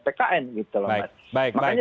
pkn gitu loh makanya